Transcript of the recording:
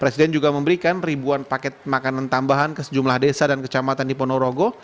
presiden juga memberikan ribuan paket makanan tambahan ke sejumlah desa dan kecamatan di ponorogo